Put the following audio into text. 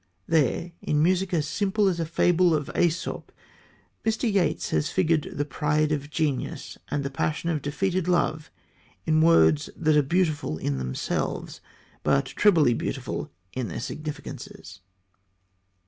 There, in music as simple as a fable of Aesop, Mr. Yeats has figured the pride of genius and the passion of defeated love in words that are beautiful in themselves, but trebly beautiful in their significances.